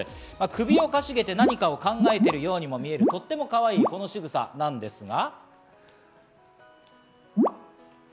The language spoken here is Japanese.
首をかしげて何かを考えているようにも見える、とてもかわいいしぐさですが。